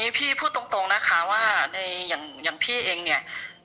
พี่พูดตรงนะคะว่าอย่างพี่เองเนี่ย